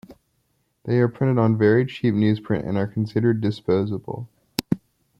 They are printed on very cheap newsprint and are considered disposable.